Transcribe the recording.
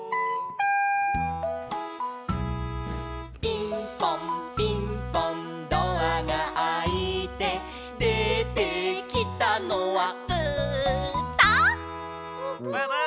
「ピンポンピンポンドアがあいて」「出てきたのは」